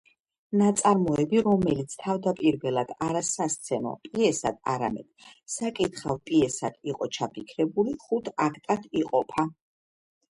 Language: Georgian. ნაწარმოები, რომელიც თავდაპირველად არა სასცენო პიესად, არამედ საკითხავ პიესად იყო ჩაფიქრებული, ხუთ აქტად იყოფა.